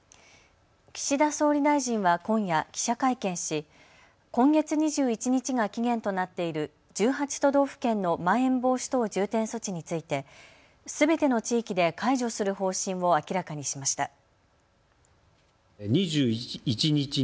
岸田総理大臣は今夜、記者会見し今月２１日が期限となっている１８都道府県のまん延防止等重点措置についてすべての地域で解除する方針を明らかにしました。